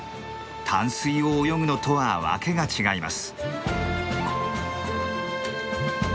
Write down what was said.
淡水を泳ぐのとは訳が違います。